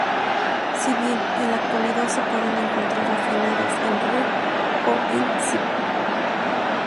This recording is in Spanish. Si bien en la actualidad se pueden encontrar afinadas en Re o en Sib.